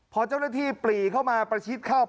พอเจ้าหน้าที่ปรีเข้ามาประชิดเข้า